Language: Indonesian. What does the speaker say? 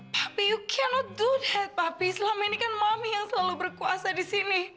papi kamu tidak bisa begitu papi selama ini kan mami yang selalu berkuasa di sini